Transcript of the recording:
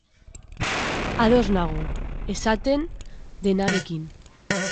Ados nago esaten denarekin.